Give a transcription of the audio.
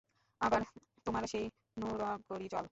আবার তোমার সেই নুরনগরি চাল?